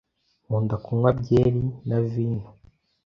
Nkunda kunywa byeri na vino.